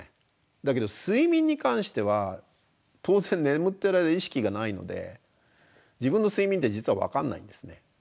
だけど睡眠に関しては当然眠ってる間意識がないので自分の睡眠って実は分かんないんですね。